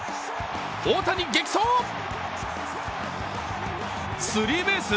大谷激走、スリーベース？